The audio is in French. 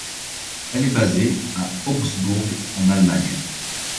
Elle est basée à Augsbourg en Allemagne.